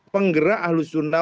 penggerak ahlus sunnah